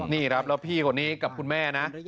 นี่ครับแล้วพี่คนนี้กับคุณแม่นะ